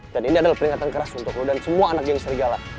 dan ini adalah peringatan keras untuk lo dan semua anak yang serigala